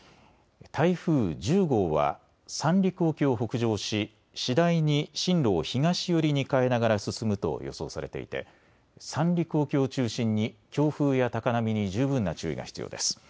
台風１０号は三陸沖を北上し次第に進路を東寄りに変えながら進むと予想されていて三陸沖を中心に強風や高波に十分な注意が必要です。